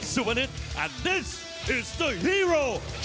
สวัสดีทุกคนสวัสดีทุกคนสวัสดีทุกคน